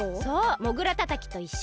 モグラたたきといっしょ！